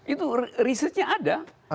itu researchnya ada